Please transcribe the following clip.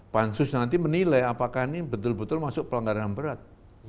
pansus nanti menilai apakah ini betul betul masuk pelanggaran ham berat